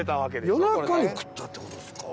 夜中に食ったって事ですか？